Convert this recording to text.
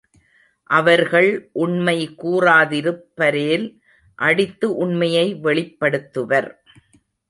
அவர்கள் உண்மை கூறாதிருப்பரேல் அடித்து உண்மையை வெளிப்படுத்துவர்.